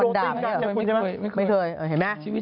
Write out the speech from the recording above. นั่งเต๋ไหนล่ะ